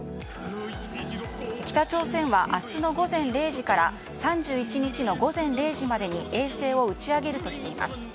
北朝鮮は明日の午前０時から３１日の午前０時までに衛星を打ち上げるとしています。